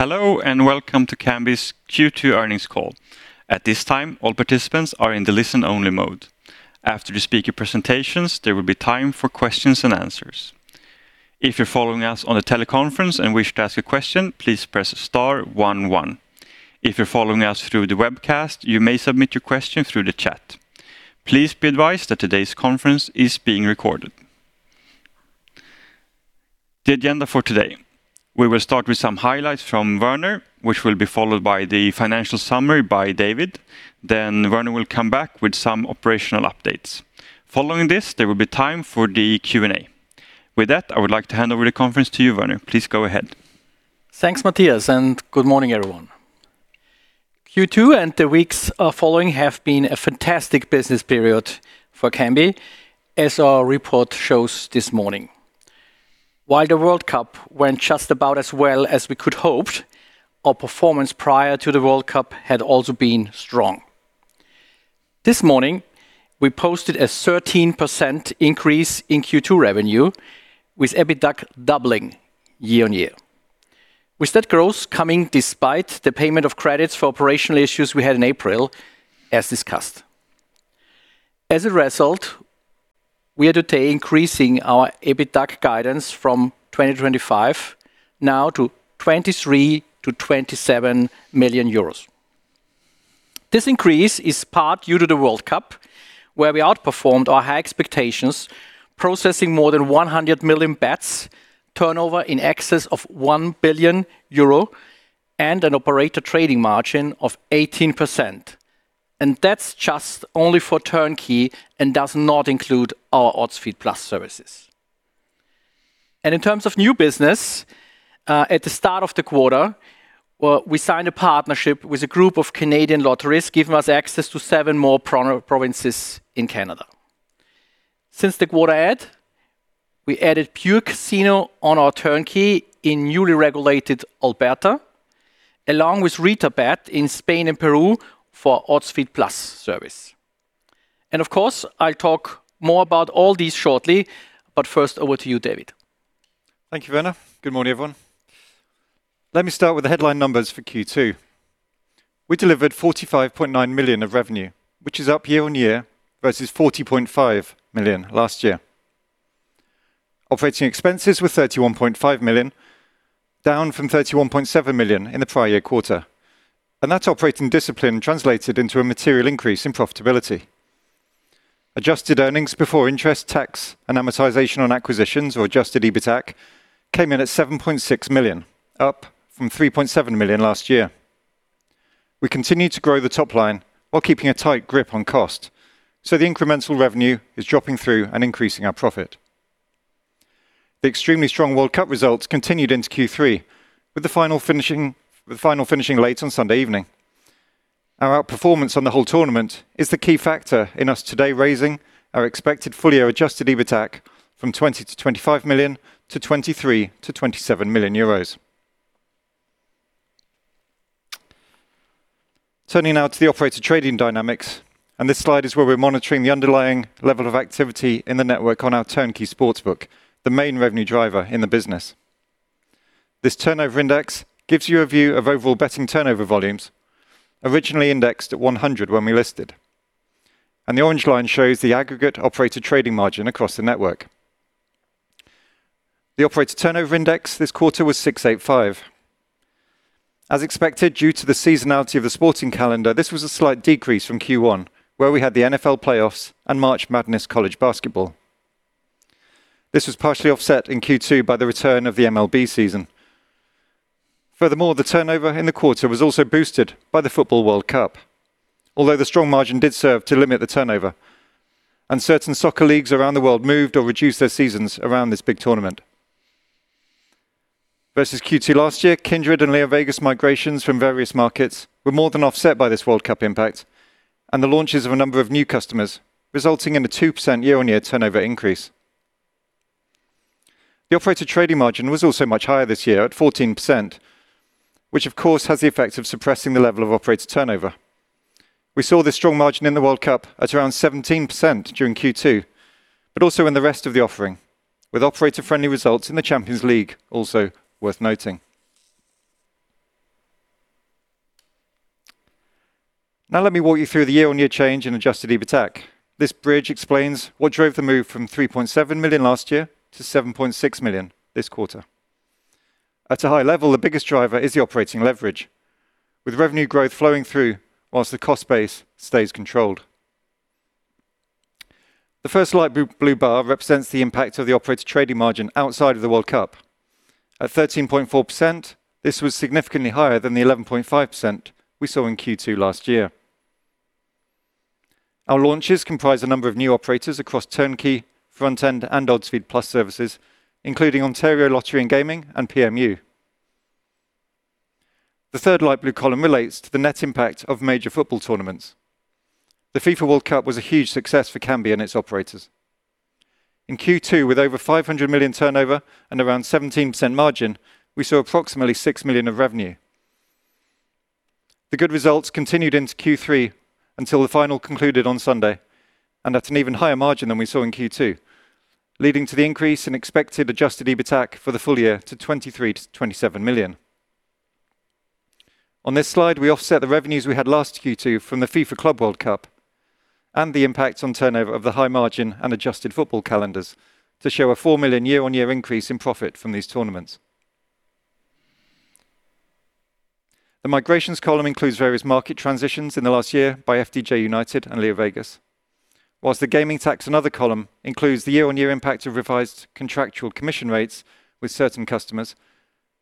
Hello, welcome to Kambi's Q2 earnings call. At this time, all participants are in the listen-only mode. After the speaker presentations, there will be time for questions and answers. If you're following us on the teleconference and wish to ask a question, please press star one one. If you're following us through the webcast, you may submit your question through the chat. Please be advised that today's conference is being recorded. The agenda for today. We will start with some highlights from Werner, which will be followed by the financial summary by David. Werner will come back with some operational updates. Following this, there will be time for the Q&A. With that, I would like to hand over the conference to you, Werner. Please go ahead. Thanks, Mattias. Good morning, everyone. Q2 and the weeks following have been a fantastic business period for Kambi, as our report shows this morning. While the World Cup went just about as well as we could hoped, our performance prior to the World Cup had also been strong. This morning, we posted a 13% increase in Q2 revenue, with EBITA (acq) doubling year-on-year. With that growth coming despite the payment of credits for operational issues we had in April as discussed. As a result, we are today increasing our EBITA (acq) guidance from 2025, now to 23 million-27 million euros. This increase is part due to the World Cup, where we outperformed our high expectations, processing more than 100 million bets, turnover in excess of 1 billion euro, and an operator trading margin of 18%. That's just only for Turnkey and does not include our Odds Feed+ services. In terms of new business, at the start of the quarter, we signed a partnership with a group of Canadian lotteries giving us access to seven more provinces in Canada. Since the quarter end, we added Pure Casino on our Turnkey in newly regulated Alberta, along with RETABET in Spain and Peru for Odds Feed+ service. Of course, I'll talk more about all these shortly. First over to you, David. Thank you, Werner. Good morning, everyone. Let me start with the headline numbers for Q2. We delivered 45.9 million of revenue, which is up year-on-year versus 40.5 million last year. Operating expenses were 31.5 million, down from 31.7 million in the prior year quarter. That operating discipline translated into a material increase in profitability. Adjusted EBITA (acq) came in at 7.6 million, up from 3.7 million last year. We continued to grow the top line while keeping a tight grip on cost, the incremental revenue is dropping through and increasing our profit. The extremely strong World Cup results continued into Q3, with the final finishing late on Sunday evening. Our outperformance on the whole tournament is the key factor in us today raising our expected full-year adjusted EBITA (acq) from 20 million-25 million to 23 million-27 million euros. Turning now to the operator trading dynamics, this slide is where we are monitoring the underlying level of activity in the network on our Turnkey Sportsbook, the main revenue driver in the business. This Turnover Index gives you a view of overall betting turnover volumes, originally indexed at 100 when we listed. The orange line shows the aggregate operator trading margin across the network. The operator Turnover Index this quarter was 685. As expected, due to the seasonality of the sporting calendar, this was a slight decrease from Q1, where we had the NFL playoffs and March Madness college basketball. This was partially offset in Q2 by the return of the MLB season. Furthermore, the turnover in the quarter was also boosted by the World Cup, although the strong margin did serve to limit the turnover. Certain soccer leagues around the world moved or reduced their seasons around this big tournament. Versus Q2 last year, Kindred and LeoVegas migrations from various markets were more than offset by this World Cup impact and the launches of a number of new customers, resulting in a 2% year-on-year turnover increase. The operator trading margin was also much higher this year at 14%, which of course has the effect of suppressing the level of operator turnover. We saw this strong margin in the World Cup at around 17% during Q2, but also in the rest of the offering, with operator-friendly results in the Champions League also worth noting. Let me walk you through the year-on-year change in adjusted EBITA (acq). This bridge explains what drove the move from 3.7 million last year to 7.6 million this quarter. At a high level, the biggest driver is the operating leverage, with revenue growth flowing through whilst the cost base stays controlled. The first light blue bar represents the impact of the operator trading margin outside of the World Cup. At 13.4%, this was significantly higher than the 11.5% we saw in Q2 last year. Our launches comprise a number of new operators across Turnkey, Front End, and Odds Feed+ services, including Ontario Lottery and Gaming and PMU. The third light blue column relates to the net impact of major football tournaments. The FIFA World Cup was a huge success for Kambi and its operators. In Q2, with over 500 million turnover and around 17% margin, we saw approximately 6 million of revenue. The good results continued into Q3 until the final concluded on Sunday, and at an even higher margin than we saw in Q2, leading to the increase in expected adjusted EBITA (acq) for the full year to 23 million-27 million. On this slide, we offset the revenues we had last Q2 from the FIFA Club World Cup and the impact on turnover of the high margin and adjusted football calendars to show a 4 million year-on-year increase in profit from these tournaments. The migrations column includes various market transitions in the last year by FDJ UNITED and LeoVegas. Whilst the gaming tax and other column includes the year-on-year impact of revised contractual commission rates with certain customers,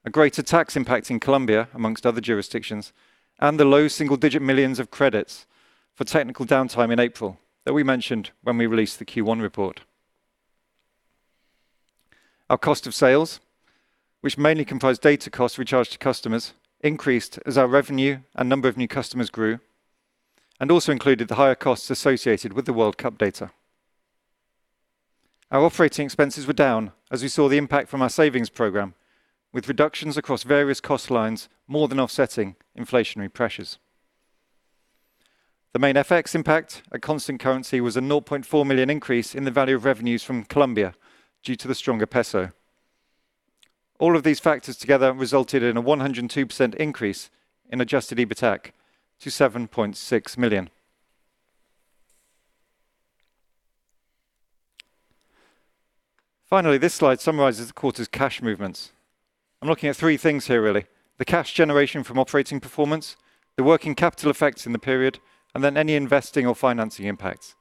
a greater tax impact in Colombia amongst other jurisdictions, and the low single-digit millions of credits for technical downtime in April that we mentioned when we released the Q1 report. Our cost of sales, which mainly comprise data costs we charge to customers, increased as our revenue and number of new customers grew, and also included the higher costs associated with the World Cup data. Our operating expenses were down as we saw the impact from our savings program, with reductions across various cost lines, more than offsetting inflationary pressures. The main FX impact at constant currency was a 0.4 million increase in the value of revenues from Colombia due to the stronger peso. All of these factors together resulted in a 102% increase in adjusted EBITA (acq) to 7.6 million. This slide summarizes the quarter's cash movements. I'm looking at three things here really. The cash generation from operating performance, the working capital effects in the period, and then any investing or financing impacts.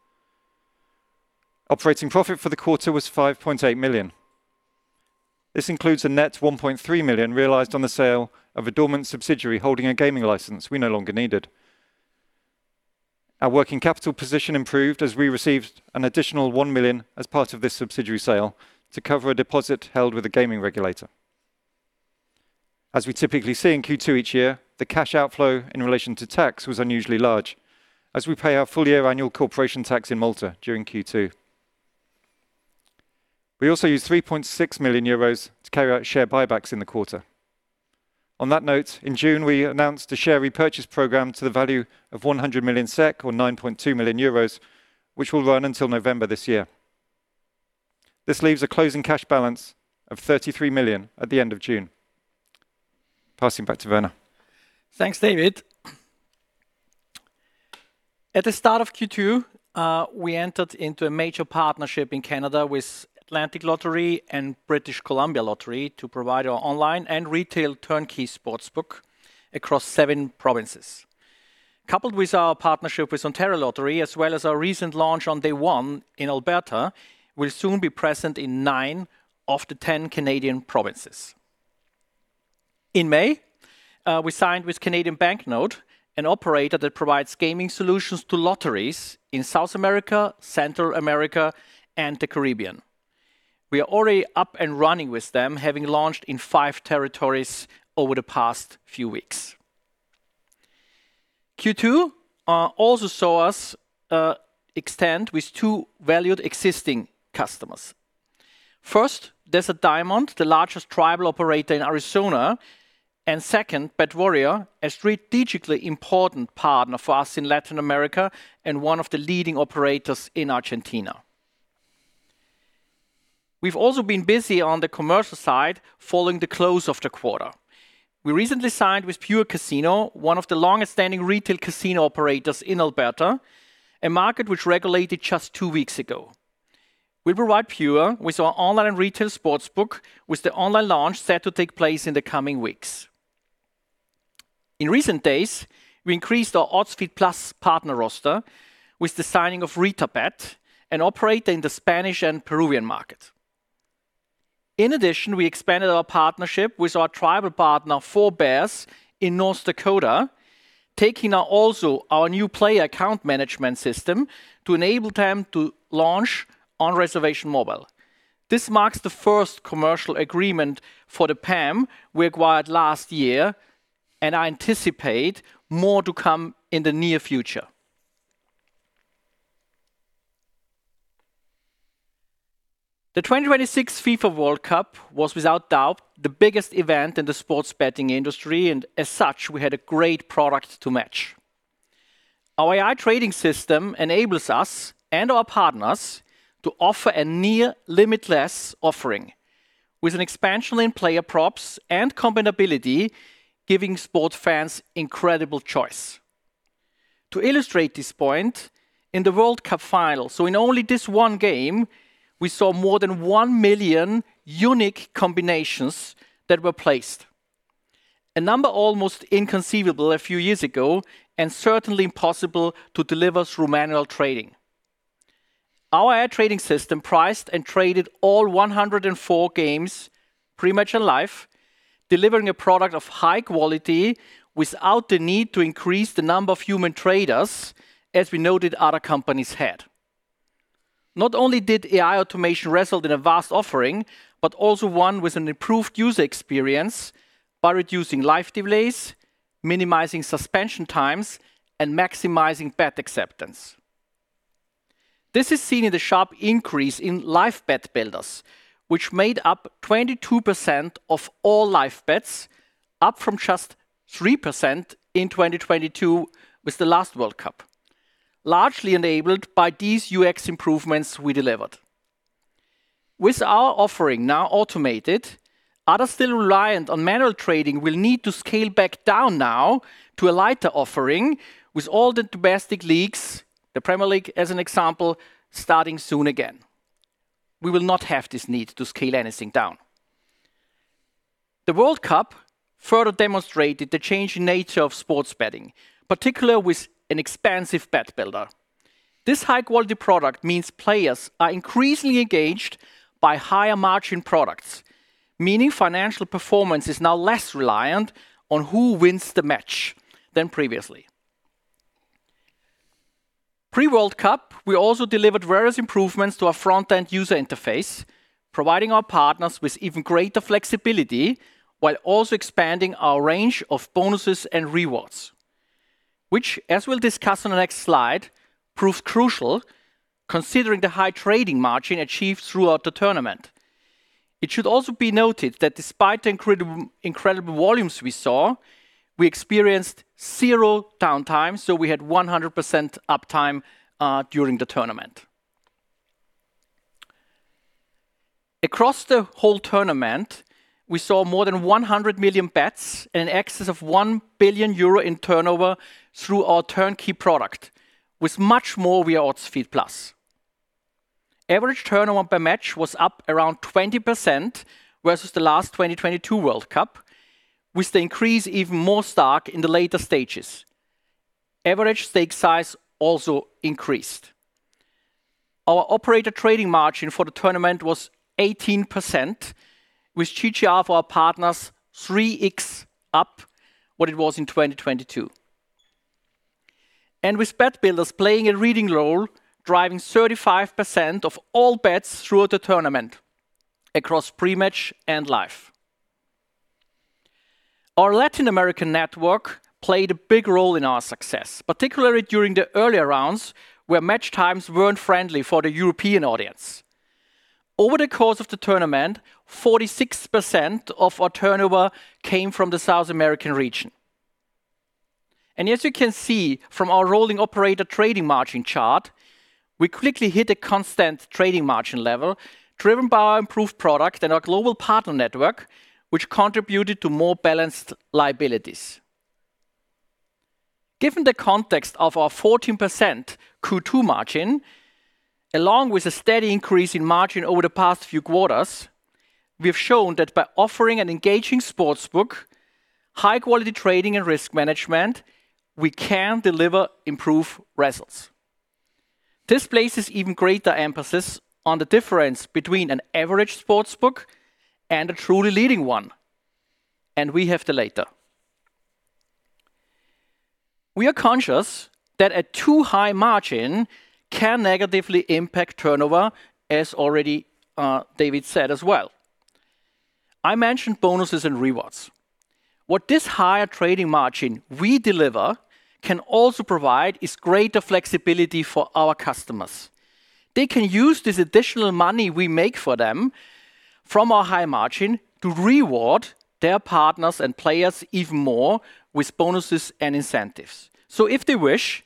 Operating profit for the quarter was 5.8 million. This includes a net 1.3 million realized on the sale of a dormant subsidiary holding a gaming license we no longer needed. Our working capital position improved as we received an additional 1 million as part of this subsidiary sale to cover a deposit held with a gaming regulator. As we typically see in Q2 each year, the cash outflow in relation to tax was unusually large as we pay our full-year annual corporation tax in Malta during Q2. We also used 3.6 million euros to carry out share buybacks in the quarter. On that note, in June, we announced a share repurchase program to the value of 100 million SEK or 9.2 million euros, which will run until November this year. This leaves a closing cash balance of 33 million at the end of June. Passing back to Werner. Thanks, David. At the start of Q2, we entered into a major partnership in Canada with Atlantic Lottery and British Columbia Lottery to provide our online and retail Turnkey Sportsbook across seven provinces. Coupled with our partnership with Ontario Lottery as well as our recent launch on day one in Alberta, we'll soon be present in nine of the 10 Canadian provinces. In May, we signed with Canadian Bank Note, an operator that provides gaming solutions to lotteries in South America, Central America, and the Caribbean. We are already up and running with them, having launched in five territories over the past few weeks. Q2 also saw us extend with two valued existing customers. First, Desert Diamond, the largest tribal operator in Arizona, and second, BetWarrior, a strategically important partner for us in Latin America and one of the leading operators in Argentina. We've also been busy on the commercial side following the close of the quarter. We recently signed with Pure Casino, one of the longest-standing retail casino operators in Alberta, a market which regulated just two weeks ago. We provide Pure Casino with our online and retail sportsbook with the online launch set to take place in the coming weeks. In recent days, we increased our Odds Feed+ partner roster with the signing of RETABET, an operator in the Spanish and Peruvian market. In addition, we expanded our partnership with our tribal partner, 4 Bears in North Dakota, taking also our new player account management system to enable them to launch on reservation mobile. This marks the first commercial agreement for the PAM we acquired last year, and I anticipate more to come in the near future. The 2026 FIFA World Cup was without doubt the biggest event in the sports betting industry. As such, we had a great product to match. Our AI trading system enables us and our partners to offer a near limitless offering with an expansion in player props and combinability giving sport fans incredible choice. To illustrate this point, in the World Cup final, in only this one game, we saw more than 1 million unique combinations that were placed. A number almost inconceivable a few years ago and certainly impossible to deliver through manual trading. Our AI trading system priced and traded all 104 games pretty much alive, delivering a product of high quality without the need to increase the number of human traders as we noted other companies had. Not only did AI automation result in a vast offering, also one with an improved user experience by reducing live delays, minimizing suspension times, and maximizing bet acceptance. This is seen in the sharp increase in live Bet Builders, which made up 22% of all live bets, up from just 3% in 2022 with the last World Cup, largely enabled by these UX improvements we delivered. With our offering now automated, others still reliant on manual trading will need to scale back down now to a lighter offering with all the domestic leagues, the Premier League, as an example, starting soon again. We will not have this need to scale anything down. The World Cup further demonstrated the changing nature of sports betting, particularly with an expansive Bet Builder. This high-quality product means players are increasingly engaged by higher-margin products, meaning financial performance is now less reliant on who wins the match than previously. Pre-World Cup, we also delivered various improvements to our Front End user interface, providing our partners with even greater flexibility while also expanding our range of bonuses and rewards, which, as we'll discuss on the next slide, proved crucial considering the high trading margin achieved throughout the tournament. It should also be noted that despite the incredible volumes we saw, we experienced zero downtime. We had 100% uptime during the tournament. Across the whole tournament, we saw more than 100 million bets, in excess of 1 billion euro in turnover through our Turnkey Sportsbook with much more real Odds Feed+. Average turnover per match was up around 20% versus the last 2022 World Cup, with the increase even more stark in the later stages. Average stake size also increased. Our operator trading margin for the tournament was 18%, with GGR for our partners 3x up what it was in 2022. With Bet Builders playing a leading role, driving 35% of all bets throughout the tournament across pre-match and live. Our Latin American network played a big role in our success, particularly during the earlier rounds where match times weren't friendly for the European audience. Over the course of the tournament, 46% of our turnover came from the South American region. As you can see from our rolling operator trading margin chart, we quickly hit a constant trading margin level driven by our improved product and our global partner network, which contributed to more balanced liabilities. Given the context of our 14% Q2 margin, along with a steady increase in margin over the past few quarters, we have shown that by offering an engaging sportsbook, high-quality trading and risk management, we can deliver improved results. This places even greater emphasis on the difference between an average sportsbook and a truly leading one, and we have the latter. We are conscious that a too-high margin can negatively impact turnover, as already David said as well. I mentioned bonuses and rewards. What this higher trading margin we deliver can also provide is greater flexibility for our customers. They can use this additional money we make for them from our high margin to reward their partners and players even more with bonuses and incentives. If they wish,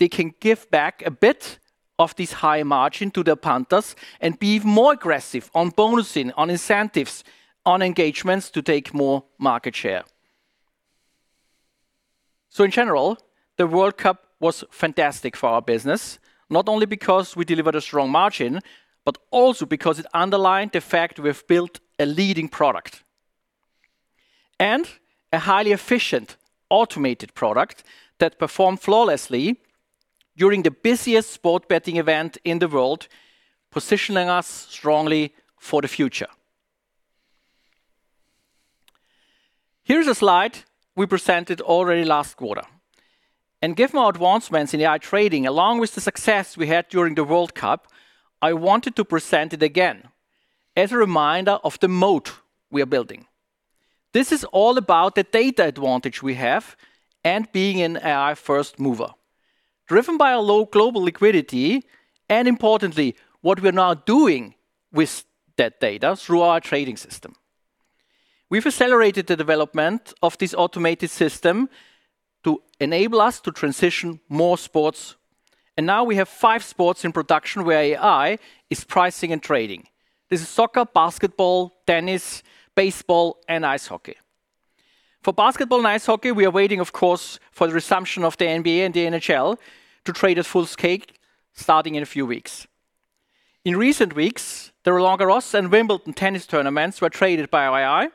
they can give back a bit of this high margin to their partners and be more aggressive on bonusing, on incentives, on engagements to take more market share. In general, the World Cup was fantastic for our business, not only because we delivered a strong margin, but also because it underlined the fact we've built a leading product and a highly efficient automated product that performed flawlessly during the busiest sports betting event in the world, positioning us strongly for the future. Here is a slide we presented already last quarter, given our advancements in AI trading, along with the success we had during the World Cup, I wanted to present it again as a reminder of the moat we are building. This is all about the data advantage we have and being an AI first mover, driven by our low global liquidity and importantly, what we're now doing with that data through our trading system. We've accelerated the development of this automated system to enable us to transition more sports. Now we have five sports in production where AI is pricing and trading. This is soccer, basketball, tennis, baseball, and ice hockey. For basketball and ice hockey, we are waiting, of course, for the resumption of the NBA and the NHL to trade at full scale, starting in a few weeks. In recent weeks, the Roland-Garros and Wimbledon tennis tournaments were traded by our AI.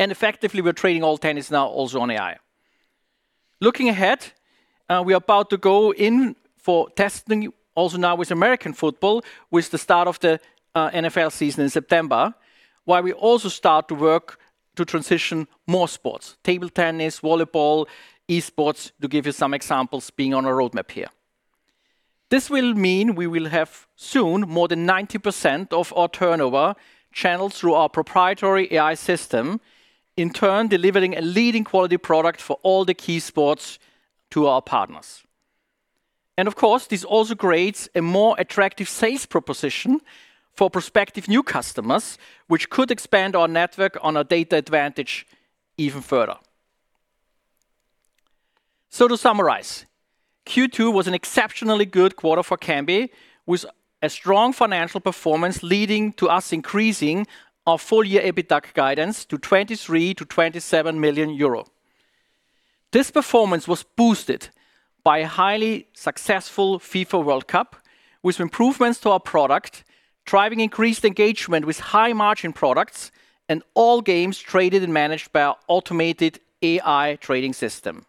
Effectively, we're trading all tennis now also on AI. Looking ahead, we are about to go in for testing also now with American football with the start of the NFL season in September, while we also start to work to transition more sports, table tennis, volleyball, esports, to give you some examples being on our roadmap here. This will mean we will have, soon more than 90% of our turnover channels through our proprietary AI system, in turn delivering a leading quality product for all the key sports to our partners. Of course, this also creates a more attractive sales proposition for prospective new customers, which could expand our network on a data advantage even further. To summarize, Q2 was an exceptionally good quarter for Kambi, with a strong financial performance leading to us increasing our full-year EBITA (acq) guidance to 23 million-27 million euro. This performance was boosted by a highly successful FIFA World Cup, with improvements to our product, driving increased engagement with high-margin products, and all games traded and managed by our automated AI trading system.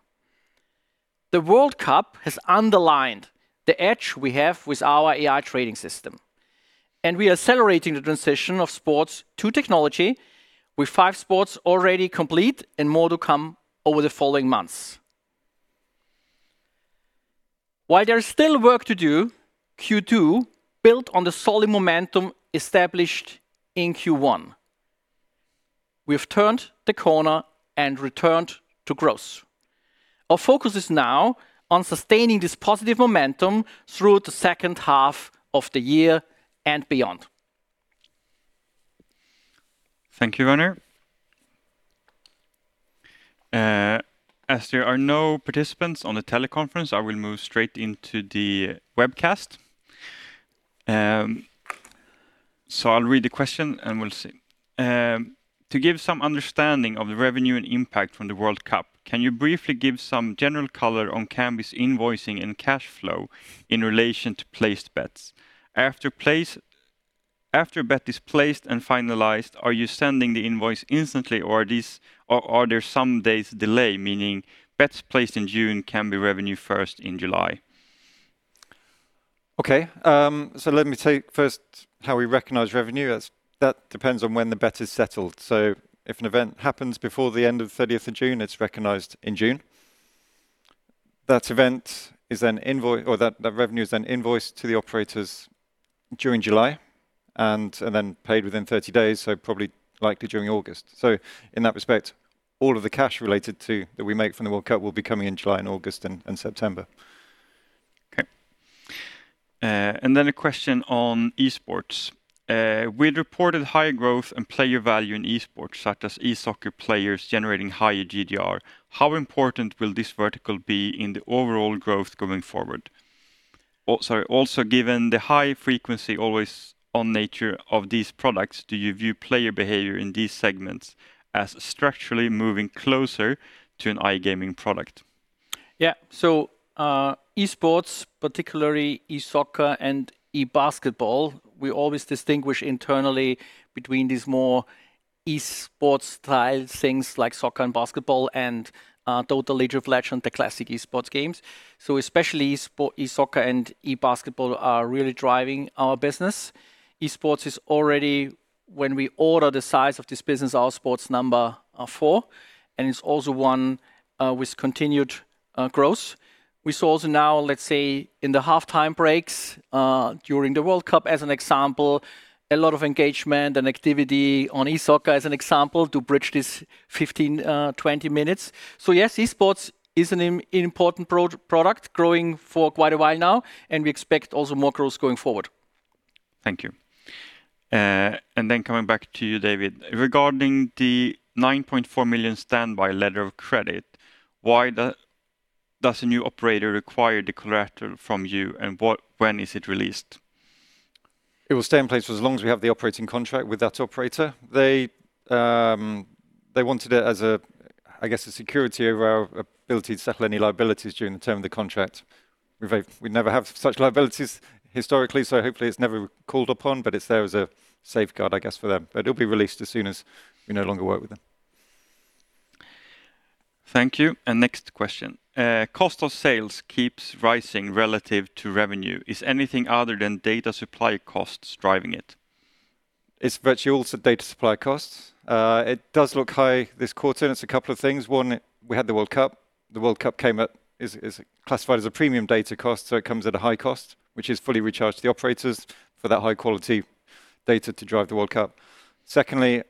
The World Cup has underlined the edge we have with our AI trading system, we are accelerating the transition of sports to technology with five sports already complete and more to come over the following months. While there is still work to do, Q2 built on the solid momentum established in Q1. We've turned the corner and returned to growth. Our focus is now on sustaining this positive momentum through the second half of the year and beyond. Thank you, Werner. As there are no participants on the teleconference, I will move straight into the webcast. I'll read the question, and we'll see. To give some understanding of the revenue and impact from the World Cup, can you briefly give some general color on Kambi's invoicing and cash flow in relation to placed bets? After a bet is placed and finalized, are you sending the invoice instantly, or are there some days delay, meaning bets placed in June can be revenue first in July? Okay. Let me take first how we recognize revenue, as that depends on when the bet is settled. If an event happens before the end of 30th of June, it's recognized in June. That revenue is then invoiced to the operators during July and then paid within 30 days, so probably likely during August. In that respect, all of the cash related to that we make from the World Cup will be coming in July and August and September. Okay. A question on esports. With reported higher growth and player value in esports, such as eSoccer players generating higher GGR, how important will this vertical be in the overall growth going forward? Also, given the high frequency always on nature of these products, do you view player behavior in these segments as structurally moving closer to an iGaming product? Yeah. Esports, particularly eSoccer and eBasketball, we always distinguish internally between these more esports-style things like soccer and basketball and Dota, League of Legends, the classic esports games. Especially eSoccer and eBasketball are really driving our business. Esports is already, when we order the size of this business, our sports number 4, and it's also one with continued growth. We saw also now, let's say, in the halftime breaks during the World Cup, as an example, a lot of engagement and activity on eSoccer, as an example, to bridge these 15, 20 minutes. Yes, esports is an important product, growing for quite a while now, and we expect also more growth going forward. Thank you. Coming back to you, David. Regarding the 9.4 million standby letter of credit, why does a new operator require the collateral from you, and when is it released? It will stay in place for as long as we have the operating contract with that operator. They wanted it as a security over our ability to settle any liabilities during the term of the contract. We never have such liabilities historically, hopefully it's never called upon, it's there as a safeguard, I guess, for them. It'll be released as soon as we no longer work with them. Thank you. Next question. Cost of sales keeps rising relative to revenue. Is anything other than data supply costs driving it? It's virtually all data supply costs. It does look high this quarter, it's a couple of things. One, we had the World Cup. The World Cup is classified as a premium data cost, so it comes at a high cost, which is fully recharged to the operators for that high-quality data to drive the World Cup. Secondly,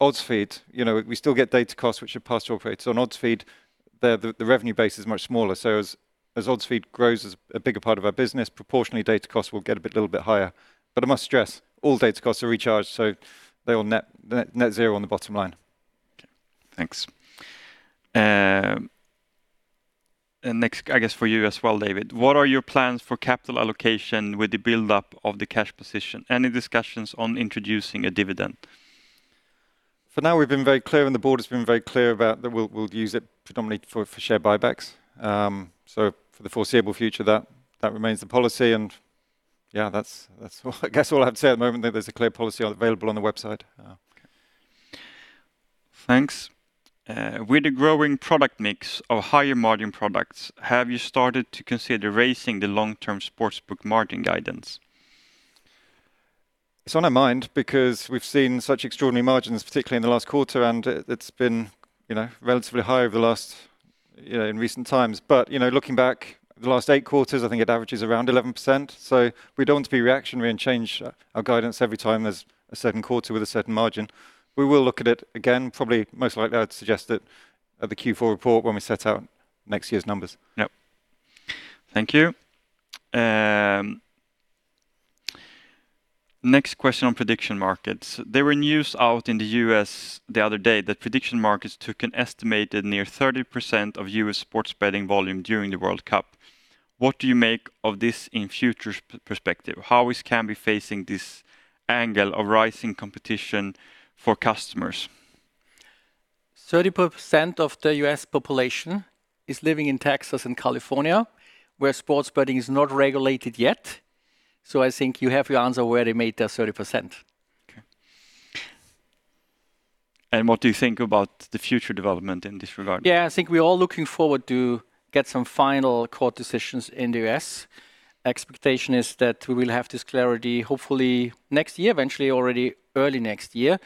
Odds Feed+. We still get data costs which are passed to operators. On Odds Feed+, the revenue base is much smaller, as Odds Feed+ grows as a bigger part of our business, proportionally data costs will get a little bit higher. I must stress, all data costs are recharged, they all net zero on the bottom line. Okay, thanks. Next, I guess for you as well, David. What are your plans for capital allocation with the build-up of the cash position? Any discussions on introducing a dividend? For now, we've been very clear, the board has been very clear about that we'll use it predominantly for share buybacks. For the foreseeable future, that remains the policy and yeah, that's all I have to say at the moment. There's a clear policy available on the website. Okay. Thanks. With the growing product mix of higher margin products, have you started to consider raising the long-term sportsbook margin guidance? It's on our mind because we've seen such extraordinary margins, particularly in the last quarter, and it's been relatively high over the last in recent times. Looking back the last eight quarters, I think it averages around 11%. We don't want to be reactionary and change our guidance every time there's a certain quarter with a certain margin. We will look at it again, probably most likely, I'd suggest at the Q4 report when we set out next year's numbers. Yep. Thank you. Next question on prediction markets. There were news out in the U.S. the other day that prediction markets took an estimated near 30% of U.S. sports betting volume during the World Cup. What do you make of this in future perspective? How is Kambi facing this angle of rising competition for customers? 30% of the U.S. population is living in Texas and California, where sports betting is not regulated yet. I think you have your answer where they made their 30%. Okay. What do you think about the future development in this regard? Yeah. I think we're all looking forward to get some final court decisions in the U.S. Expectation is that we will have this clarity, hopefully next year, eventually, already early next year.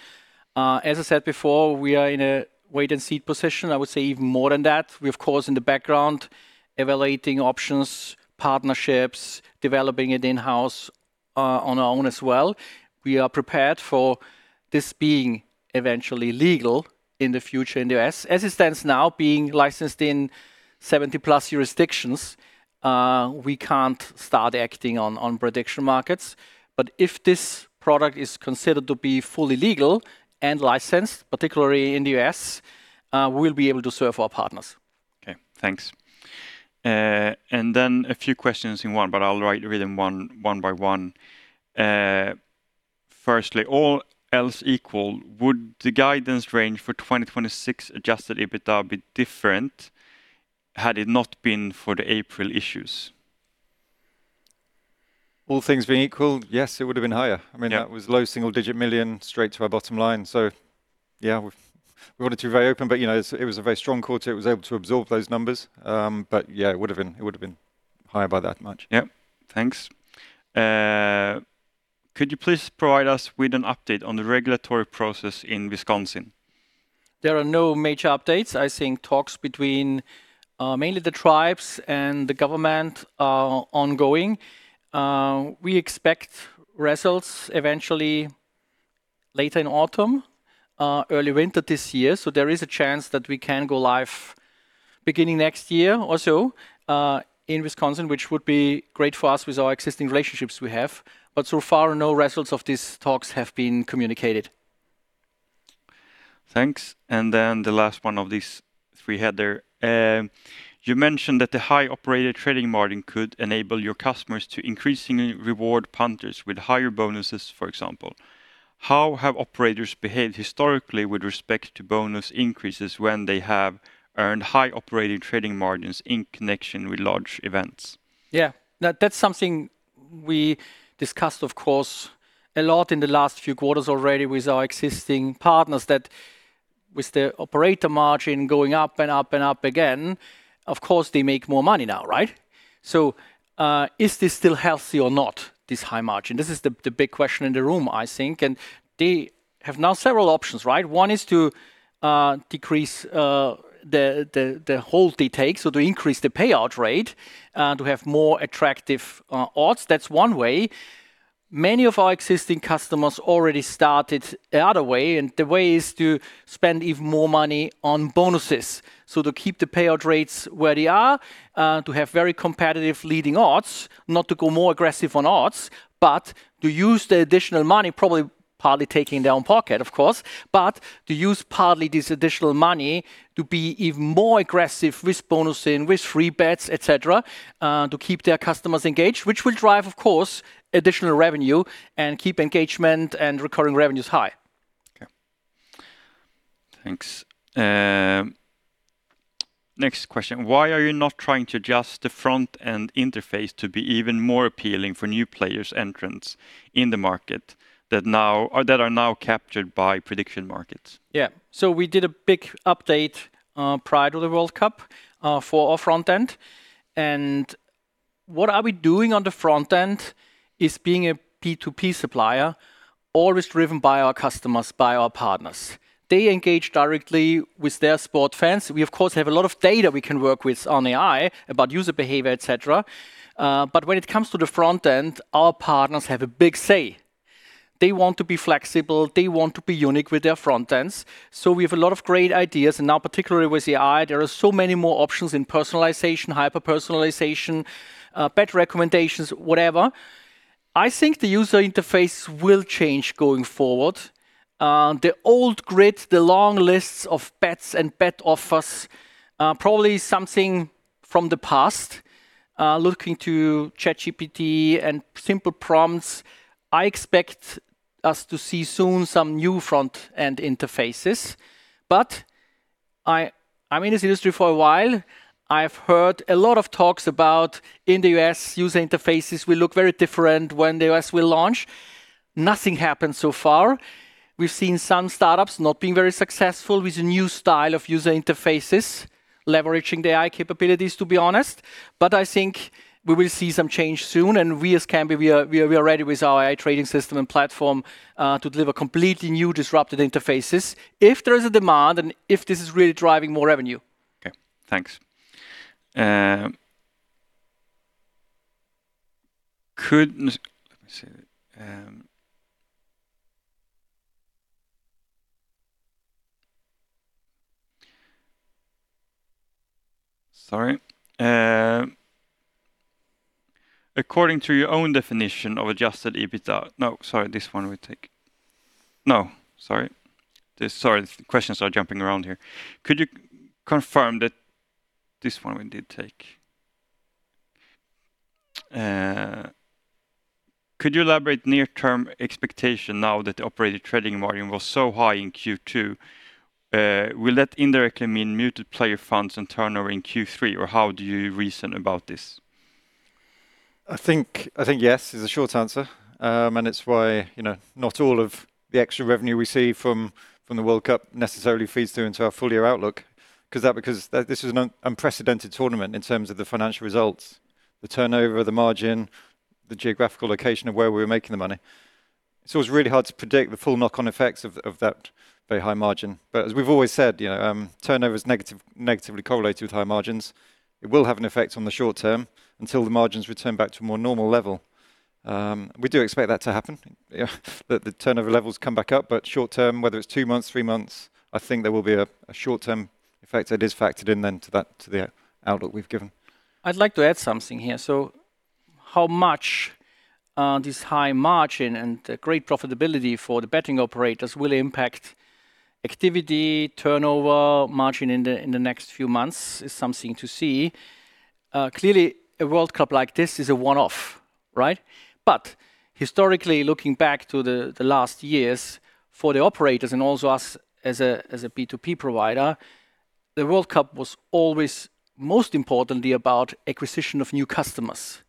As I said before, we are in a wait and see position. I would say even more than that. We, of course, in the background, evaluating options, partnerships, developing it in-house, on our own as well. We are prepared for this being eventually legal in the future in the U.S. As it stands now, being licensed in 70+ jurisdictions, we can't start acting on prediction markets. If this product is considered to be fully legal and licensed, particularly in the U.S., we'll be able to serve our partners. Okay, thanks. Then a few questions in one, I'll read them one by one. Firstly, all else equal, would the guidance range for 2026 adjusted EBITA be different had it not been for the April issues? All things being equal, yes, it would've been higher. Yeah. It was low single digit million straight to our bottom line. Yeah, we wanted to be very open, but it was a very strong quarter. It was able to absorb those numbers. Yeah, it would've been higher by that much. Yep. Thanks. Could you please provide us with an update on the regulatory process in Wisconsin? There are no major updates. I think talks between mainly the tribes and the government are ongoing. We expect results eventually later in autumn, early winter this year. There is a chance that we can go live beginning next year or so, in Wisconsin, which would be great for us with our existing relationships we have. So far, no results of these talks have been communicated. Thanks. The last one of these three header. You mentioned that the high operator trading margin could enable your customers to increasingly reward punters with higher bonuses, for example. How have operators behaved historically with respect to bonus increases when they have earned high operator trading margins in connection with large events? Yeah. That's something we discussed, of course, a lot in the last few quarters already with our existing partners that with the operator margin going up and up and up again, of course, they make more money now, right? Is this still healthy or not, this high margin? This is the big question in the room, I think, and they have now several options, right? One is to decrease the haul they take, so to increase the payout rate, to have more attractive odds. That's one way. Many of our existing customers already started the other way, and the way is to spend even more money on bonuses. To keep the payout rates where they are, to have very competitive leading odds, not to go more aggressive on odds, but to use the additional money, probably partly taking their own pocket, of course, but to use partly this additional money to be even more aggressive with bonuses, with free bets, et cetera, to keep their customers engaged, which will drive, of course, additional revenue and keep engagement and recurring revenues high. Okay. Thanks. Next question. Why are you not trying to adjust the Front End interface to be even more appealing for new players' entrants in the market that are now captured by prediction markets? Yeah. We did a big update prior to the FIFA World Cup for our Front End. What are we doing on the Front End is being a B2B supplier, always driven by our customers, by our partners. They engage directly with their sport fans. We of course, have a lot of data we can work with on AI about user behavior, et cetera. When it comes to the Front End, our partners have a big say. They want to be flexible, they want to be unique with their Front Ends. We have a lot of great ideas, and now particularly with AI, there are so many more options in personalization, hyper-personalization, better recommendations, whatever. I think the user interface will change going forward. The old grid, the long lists of bets and bet offers, probably something from the past, looking to ChatGPT and simple prompts. I expect us to see soon some new Front End interfaces. I'm in this industry for a while. I've heard a lot of talks about in the U.S., user interfaces will look very different when the U.S. will launch. Nothing happened so far. We've seen some startups not being very successful with the new style of user interfaces. Leveraging the AI capabilities, to be honest. I think we will see some change soon, and we as Kambi, we are ready with our AI trading system and platform to deliver completely new disrupted interfaces if there is a demand and if this is really driving more revenue. Okay, thanks. Sorry. According to your own definition of adjusted EBITA. Sorry, the questions are jumping around here. Could you elaborate near-term expectation now that the operator trading volume was so high in Q2, will that indirectly mean muted player funds and turnover in Q3, or how do you reason about this? I think yes is the short answer. It's why not all of the extra revenue we see from the World Cup necessarily feeds through into our full-year outlook. This is an unprecedented tournament in terms of the financial results, the turnover, the margin, the geographical location of where we were making the money. It's really hard to predict the full knock-on effects of that very high margin. As we've always said, turnover is negatively correlated with high margins. It will have an effect on the short term until the margins return back to a more normal level. We do expect that to happen, that the turnover levels come back up, but short term, whether it's two months, three months, I think there will be a short-term effect that is factored in then to the outlook we've given. I'd like to add something here. How much this high margin and great profitability for the betting operators will impact activity, turnover, margin in the next few months is something to see. Clearly, a World Cup like this is a one-off. Historically, looking back to the last years, for the operators and also us as a B2B provider, the World Cup was always most importantly about acquisition of new customers.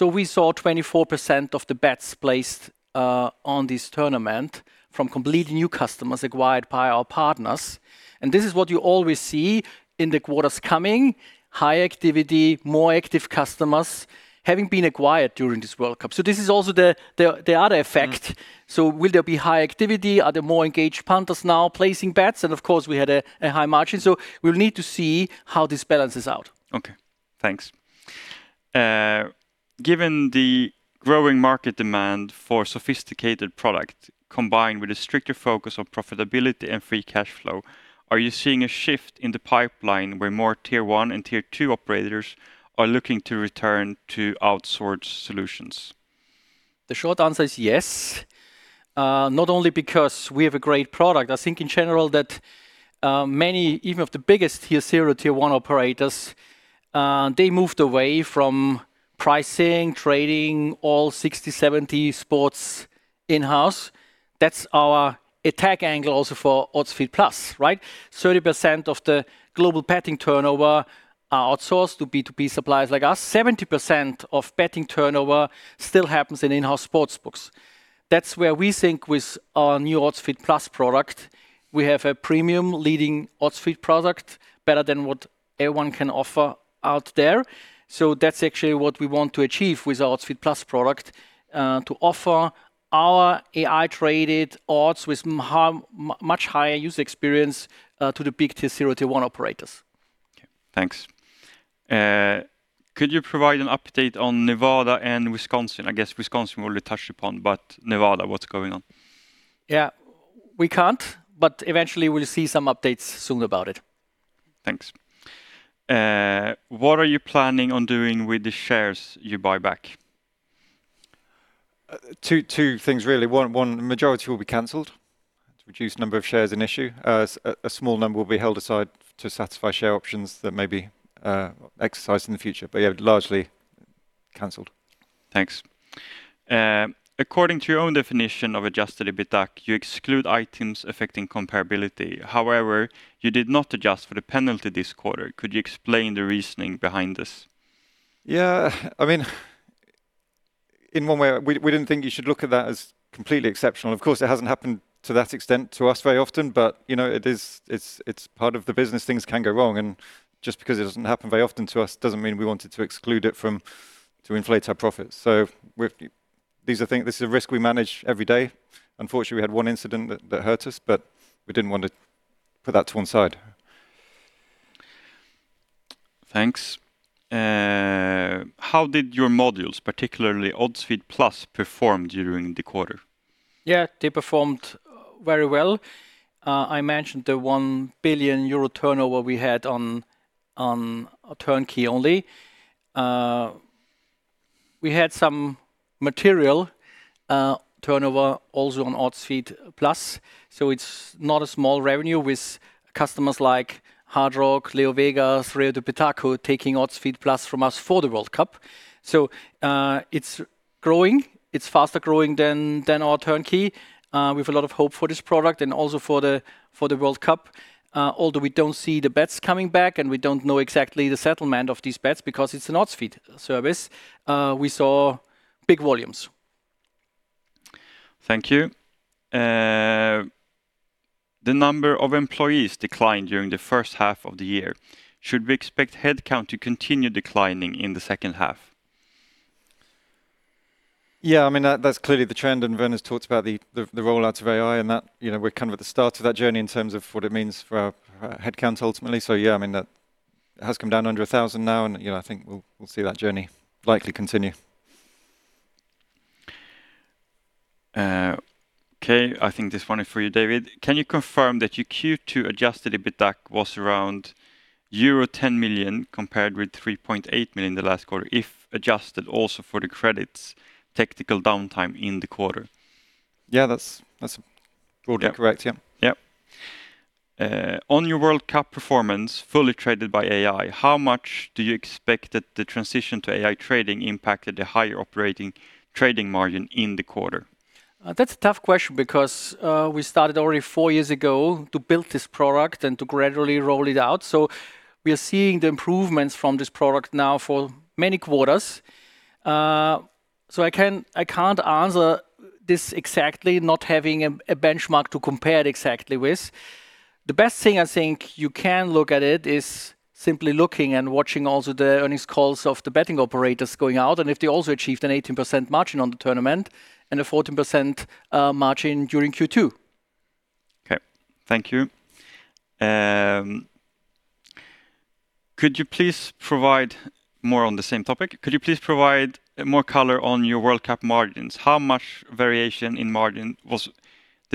We saw 24% of the bets placed on this tournament from completely new customers acquired by our partners. This is what you always see in the quarters coming, high activity, more active customers having been acquired during this World Cup. This is also the other effect. Will there be high activity? Are there more engaged punters now placing bets? Of course, we had a high margin, so we'll need to see how this balances out. Okay, thanks. Given the growing market demand for sophisticated product, combined with a stricter focus on profitability and free cash flow, are you seeing a shift in the pipeline where more Tier 1 and Tier 2 operators are looking to return to outsourced solutions? The short answer is yes. Not only because we have a great product. I think in general that many, even of the biggest Tier 0, Tier 1 operators, they moved away from pricing, trading all 60, 70 sports in-house. That's our attack angle also for Odds Feed+, right? 30% of the global betting turnover are outsourced to B2B suppliers like us. 70% of betting turnover still happens in in-house sportsbooks. That's where we think with our new Odds Feed+ product, we have a premium leading Odds Feed product better than what anyone can offer out there. That's actually what we want to achieve with the Odds Feed+ product, to offer our AI-traded odds with much higher user experience to the big Tier 0, Tier 1 operators. Okay, thanks. Could you provide an update on Nevada and Wisconsin? I guess Wisconsin we already touched upon, but Nevada, what's going on? Yeah. We can't, but eventually we'll see some updates soon about it. Thanks. What are you planning on doing with the shares you buy back? Two things really. One, the majority will be canceled to reduce the number of shares in issue. A small number will be held aside to satisfy share options that may be exercised in the future. Yeah, largely canceled. Thanks. According to your own definition of adjusted EBITA, you exclude items affecting comparability. You did not adjust for the penalty this quarter. Could you explain the reasoning behind this? Yeah. In one way, we didn't think you should look at that as completely exceptional. Of course, it hasn't happened to that extent to us very often. It's part of the business. Things can go wrong. Just because it doesn't happen very often to us doesn't mean we wanted to exclude it to inflate our profits. This is a risk we manage every day. Unfortunately, we had one incident that hurt us, but we didn't want to put that to one side. Thanks. How did your modules, particularly Odds Feed+, perform during the quarter? Yeah, they performed very well. I mentioned the 1 billion euro turnover we had on turnkey only. We had some material turnover also on Odds Feed+. It's not a small revenue with customers like Hard Rock, LeoVegas, Rei do Pitaco taking Odds Feed+ from us for the World Cup. It's growing. It's faster growing than our turnkey. We've a lot of hope for this product and also for the World Cup. Although we don't see the bets coming back and we don't know exactly the settlement of these bets because it's an Odds Feed service. We saw big volumes Thank you. The number of employees declined during the first half of the year. Should we expect headcount to continue declining in the second half? Yeah, that's clearly the trend, and Werner's talked about the rollout of AI and that we're at the start of that journey in terms of what it means for our headcount, ultimately. Yeah, that has come down under 1,000 now, and I think we'll see that journey likely continue. Okay. I think this one is for you, David. Can you confirm that your Q2 adjusted EBITA (acq) was around euro 10 million compared with 3.8 million in the last quarter if adjusted also for the credits technical downtime in the quarter? Yeah, that's broadly correct. Yeah. Yeah. On your World Cup performance, fully traded by AI, how much do you expect that the transition to AI trading impacted the higher operator trading margin in the quarter? That's a tough question because we started already four years ago to build this product and to gradually roll it out. We are seeing the improvements from this product now for many quarters. I can't answer this exactly, not having a benchmark to compare it exactly with. The best thing I think you can look at it is simply looking and watching also the earnings calls of the betting operators going out, and if they also achieved an 18% margin on the tournament and a 14% margin during Q2. Okay. Thank you. More on the same topic. Could you please provide more color on your World Cup margins? How much was the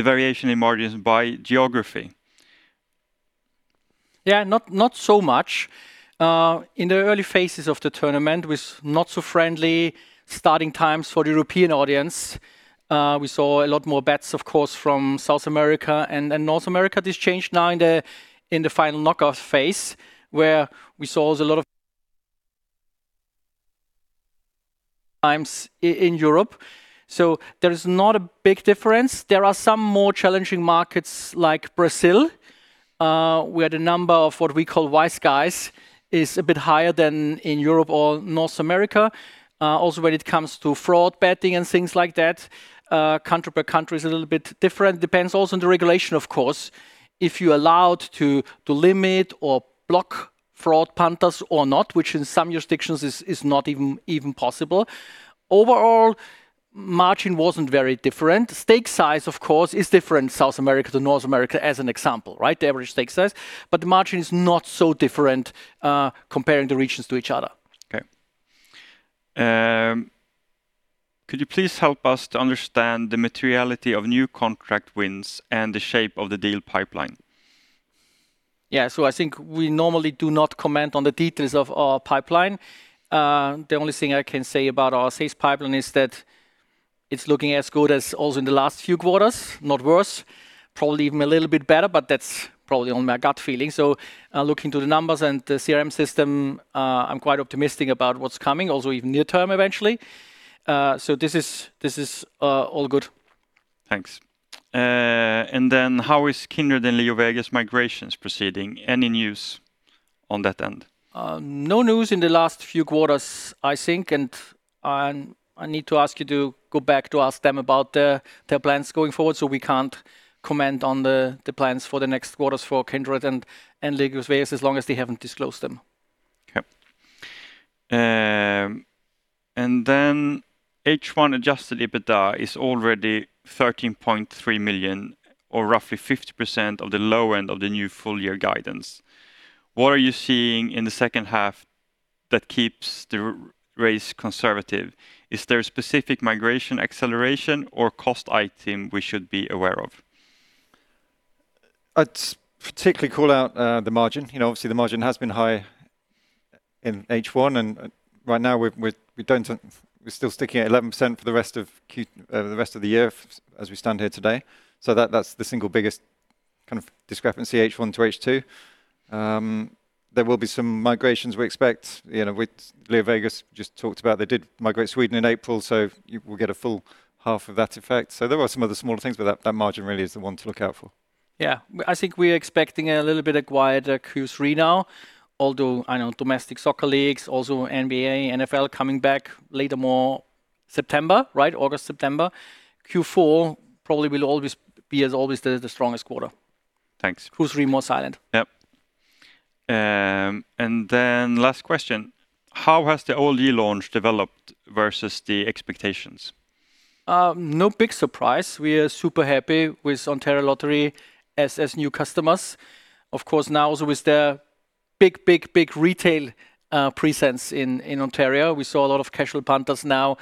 variation in margins by geography? Not so much. In the early phases of the tournament, with not so friendly starting times for the European audience, we saw a lot more bets, of course, from South America and North America. This changed now in the final knockout phase, where we saw a lot of times in Europe. There is not a big difference. There are some more challenging markets like Brazil, where the number of what we call wise guys is a bit higher than in Europe or North America. Also when it comes to fraud betting and things like that, country per country is a little bit different. Depends also on the regulation, of course. If you're allowed to limit or block fraud punters or not, which in some jurisdictions is not even possible. Overall, margin wasn't very different. Stake size, of course, is different South America to North America as an example, the average stake size. The margin is not so different comparing the regions to each other. Okay. Could you please help us to understand the materiality of new contract wins and the shape of the deal pipeline? Yeah. I think we normally do not comment on the details of our pipeline. The only thing I can say about our sales pipeline is that it's looking as good as also in the last few quarters, not worse, probably even a little bit better, but that's probably only my gut feeling. Looking to the numbers and the CRM system, I'm quite optimistic about what's coming, also even near term eventually. This is all good. Thanks. How is Kindred and LeoVegas migrations proceeding? Any news on that end? No news in the last few quarters, I think, and I need to ask you to go back to ask them about their plans going forward. We can't comment on the plans for the next quarters for Kindred and LeoVegas as long as they haven't disclosed them. Okay. H1 adjusted EBITA is already 13.3 million or roughly 50% of the low end of the new full year guidance. What are you seeing in the second half that keeps the raise conservative? Is there a specific migration acceleration or cost item we should be aware of? I'd particularly call out the margin. Obviously, the margin has been high in H1, right now we're still sticking at 11% for the rest of the year as we stand here today. That's the single biggest kind of discrepancy, H1 to H2. There will be some migrations we expect. With LeoVegas just talked about they did migrate Sweden in April, we'll get a full half of that effect. There are some other smaller things, that margin really is the one to look out for. Yeah. I think we're expecting a little bit of quieter Q3 now, although, I know domestic soccer leagues, also NBA, NFL coming back later more September. August, September. Q4 probably will be as always the strongest quarter. Thanks. Q3 more silent. Yep. Last question. How has the OLG launch developed versus the expectations? No big surprise. We are super happy with Ontario Lottery as new customers. Of course, now also with their big retail presence in Ontario. We saw a lot of casual punters now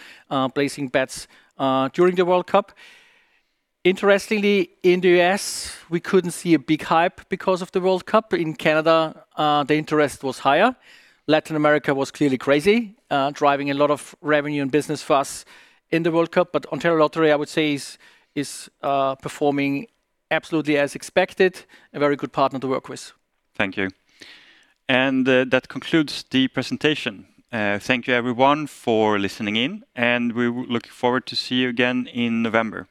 placing bets during the World Cup. Interestingly, in the U.S., we couldn't see a big hype because of the World Cup. In Canada, the interest was higher. Latin America was clearly crazy, driving a lot of revenue and business for us in the World Cup. Ontario Lottery, I would say, is performing absolutely as expected. A very good partner to work with. Thank you. That concludes the presentation. Thank you, everyone, for listening in, and we're looking forward to see you again in November.